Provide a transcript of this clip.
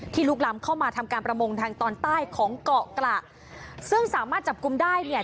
ลุกล้ำเข้ามาทำการประมงทางตอนใต้ของเกาะกระซึ่งสามารถจับกลุ่มได้เนี่ย